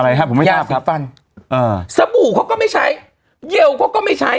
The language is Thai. อะไรครับผมไม่ทราบยาสีฟันสบู่เขาก็ไม่ใช้เยียวก็ไม่ใช้